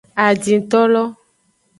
Adintolo.